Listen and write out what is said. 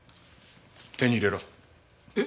手に入れろ。え？